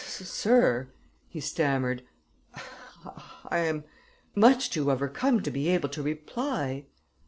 "Sir," he stammered, "I am too much overcome to be able to reply."